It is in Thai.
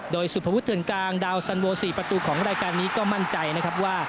โดยสุภวุฒเถื่อนกลางดาวสันโว๔ประตูของรายการนี้ก็มั่นใจนะครับว่า